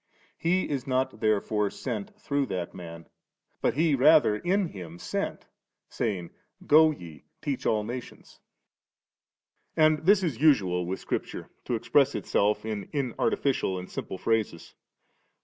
He is not therefore sent through that Man ; but He rather in Him sent, sayings * Go ye, teach all nations 1' 33. And this is usual with Scripture^, to express itself in inartificial and simple phrases.